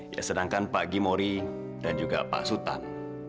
ya sedangkan pak gimori dan juga pak sultan